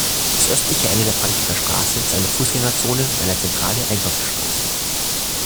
Das östliche Ende der Frankfurter Straße ist eine Fußgängerzone und eine zentrale Einkaufsstraße.